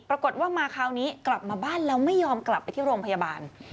ปรากฏว่ามาคราวนี้กลับมาบ้านแล้วไม่ยอมกลับไปที่โรงพยาบาล